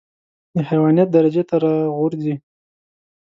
د حيوانيت درجې ته راغورځي.